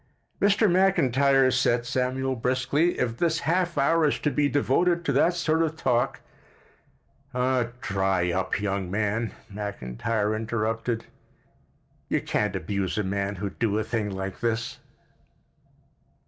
"Mr. McIntyre," said Samuel briskly, "if this half hour is to be devoted to that sort of talk——" "Oh, dry up, young man," McIntyre interrupted, "you can't abuse a man who'd do a thing like this."